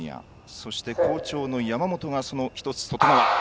そして好調の山本が１つ外側。